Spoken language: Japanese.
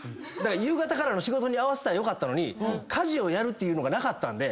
夕方からの仕事に合わせたらよかったのに家事をやるっていうのがなかったんで。